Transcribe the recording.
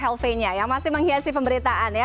rahel v nya yang masih menghiasi pemberitaan ya